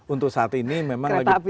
untuk saat ini memang lagi